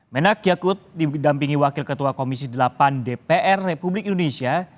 menak yakut didampingi wakil ketua komisi delapan dpr republik indonesia